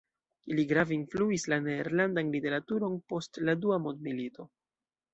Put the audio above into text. Li grave influis la nederlandan literaturon post la Dua Mondmilito.